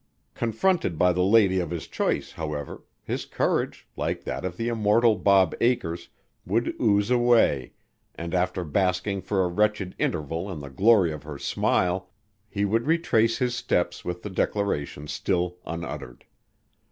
Confronted by the lady of his choice, however, his courage, like that of the immortal Bob Acres, would ooze away, and after basking for a wretched interval in the glory of her smile, he would retrace his steps with the declaration still unuttered.